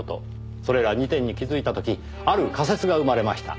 それら２点に気づいた時ある仮説が生まれました。